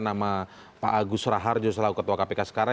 nama pak agus raharjo selalu ketua kpk sekarang